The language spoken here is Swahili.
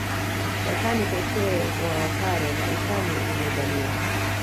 Watani pekee wa Wapare na utani uliozaliwa